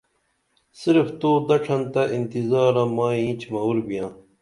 صرف تو دڇھن تہ انتظارہ مائی اینچ مور بیاں